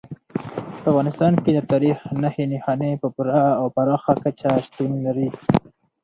په افغانستان کې د تاریخ نښې نښانې په پوره او پراخه کچه شتون لري.